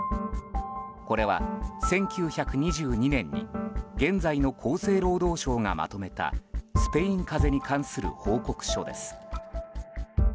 これは１９２２年に現在の厚生労働省がまとめたスペイン風邪に関する報告書です。